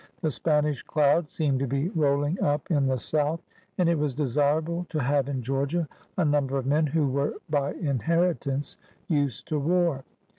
The Spanish doud seemed to be rolling up in the south, and it was desirable to have in Georgia a number of men who were by inheritance used to war.